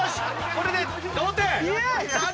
これで同点。